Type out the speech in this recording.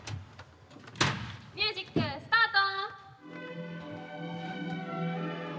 ミュージックスタート！